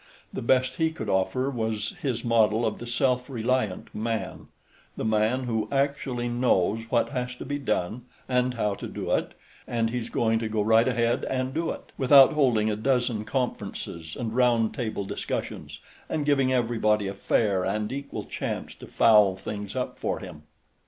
The best he could offer was his model of the self reliant man: The man who "actually knows what has to be done and how to do it, and he's going to go right ahead and do it, without holding a dozen conferences and round table discussions and giving everybody a fair and equal chance to foul things up for him."